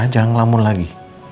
jangan melamun lagi